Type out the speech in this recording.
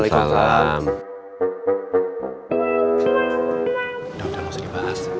udah udah masa dibahas